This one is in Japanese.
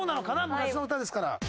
昔の歌ですから。